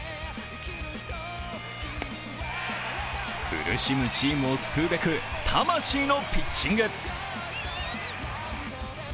苦しむチームを救うべく、魂のピッチング。